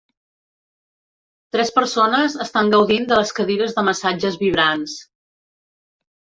Tres persones estan gaudint de les cadires de massatges vibrants